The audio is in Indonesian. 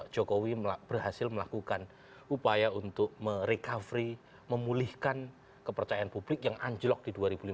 jokowi berhasil melakukan upaya untuk merecovery memulihkan kepercayaan publik yang anjlok di dua ribu lima belas